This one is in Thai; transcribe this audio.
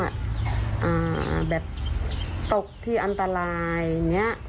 อ่าแบบตกที่อันตรายนี้